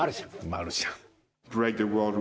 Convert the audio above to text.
マルシャン。